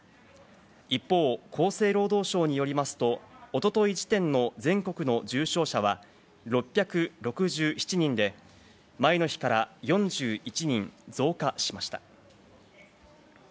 一方、厚生労働省によりますと、一昨日時点の全国の重症者は６６７人で、前の日から４１人増加しました。